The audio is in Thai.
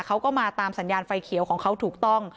เขาก็มาตามสัญญาณไฟเขียวของเขาถูกต้อง